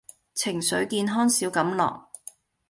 情緒健康小錦囊